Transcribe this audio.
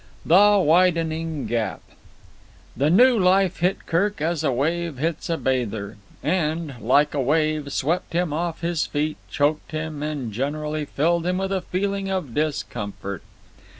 The Widening Gap The new life hit Kirk as a wave hits a bather; and, like a wave, swept him off his feet, choked him, and generally filled him with a feeling of discomfort.